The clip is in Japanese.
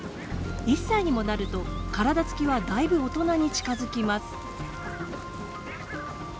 １歳にもなると体つきはだいぶ大人に近づきます。